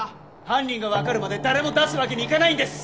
犯人がわかるまで誰も出すわけにいかないんです！